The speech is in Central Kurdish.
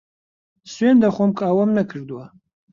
سوێند دەخۆم کە ئەوەم نەکردووە.